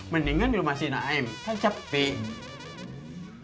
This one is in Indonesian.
mendingan di rumah si naim kan capek